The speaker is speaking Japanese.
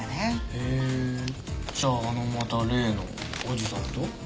へぇじゃああのまた例のおじさんと？